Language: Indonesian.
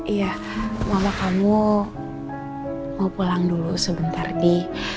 iya mama kamu mau pulang dulu sebentar di